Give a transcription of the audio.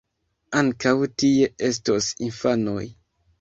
Ankaŭ tie estos infanoj.